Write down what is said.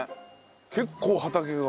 結構畑が。